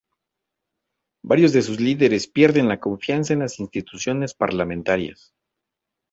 Varios de sus líderes pierden la confianza en las instituciones parlamentarias.